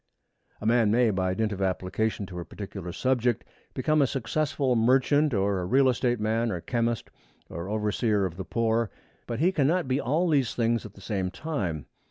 A man may, by dint of application to a particular subject, become a successful merchant or real estate man or chemist or overseer of the poor. But he cannot be all these things at the same time.